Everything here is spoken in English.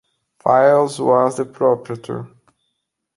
Fyles was the proprietor.